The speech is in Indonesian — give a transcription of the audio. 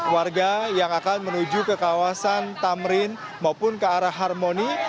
warga yang akan menuju ke kawasan tamrin maupun ke arah harmoni